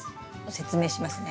説明しますね。